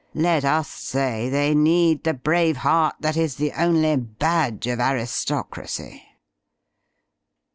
Let us say they need the brave heart that is the only badge of aristocracy.